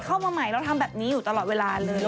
เข้ามาใหม่เราทำแบบนี้อยู่ตลอดเวลาเลย